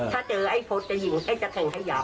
ถ้าเจอไอ้พฤษจะยิงจะแทงให้ยับ